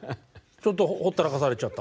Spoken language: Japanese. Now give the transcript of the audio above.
ちょっとほったらかされちゃった？